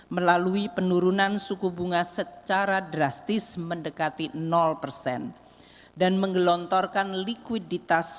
melalui penurunan suku bunga secara drastis mendekati persen dan menggelontorkan likuiditas